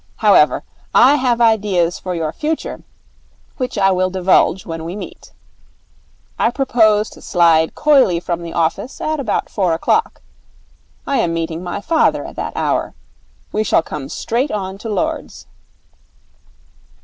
However, I have ideas for your future, which I will divulge when we meet. I propose to slide coyly from the office at about four o'clock. I am meeting my father at that hour. We shall come straight on to Lord's.'